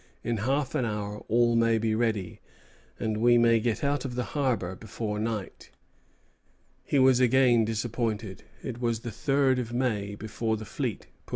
In half an hour all may be ready, and we may get out of the harbor before night." He was again disappointed; it was the third of May before the fleet put to sea.